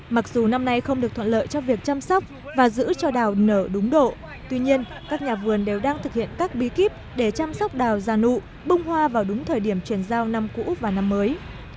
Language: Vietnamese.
mặc dù năm nay không được thuận lợi cho việc chăm sóc và giữ cho đào nở đúng độ tuy nhiên các nhà vườn đều đang thực hiện các bi kíp để chăm sóc đào gia nụ bông hoa vào đúng thời điểm chuyển giao năm cũ và năm mới